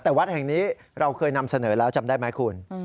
แต่วัดแห่งนี้เราเคยนำเสนอแล้วจำได้ไหมคุณ